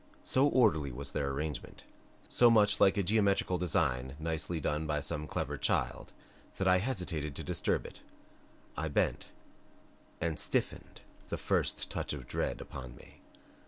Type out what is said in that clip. So orderly was their arrangement, so much like a geometrical design nicely done by some clever child that I hesitated to disturb it. I bent, and stiffened, the first touch of dread upon me.